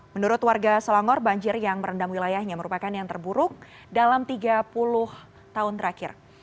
menurut warga selangor banjir yang merendam wilayahnya merupakan yang terburuk dalam tiga puluh tahun terakhir